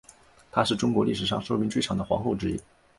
她是中国历史上寿命最长的皇后之一。